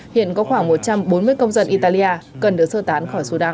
hiện có khoảng một trăm bốn mươi công dân italia cần được sơ tán khỏi sudan